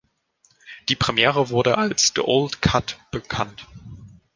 Die Premiere wurde als „The Old Cut“ bekannt.